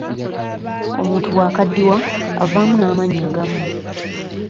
Omuntu bw'akaddiwa avaamu n'amannyo agamu.